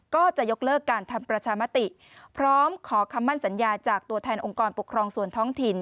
ก็จะยกเลิกการทำประชามติพร้อมขอคำมั่นสัญญาจากตัวแทนองค์กรปกครองส่วนท้องถิ่น